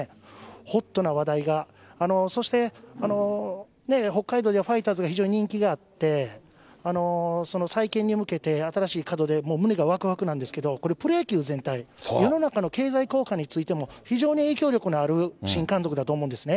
ホットな話題が、そして北海道ではファイターズが非常に人気があって、再建に向けて新しい門出、胸がわくわくなんですけど、これ、プロ野球全体、世の中の経済効果についても非常に影響力のある新監督だと思うんですね。